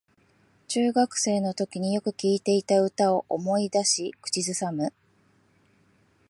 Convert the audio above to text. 中学生のときによく聴いていた歌を思い出し口ずさむ